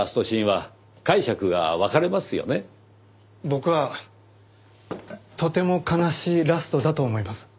僕はとても悲しいラストだと思います。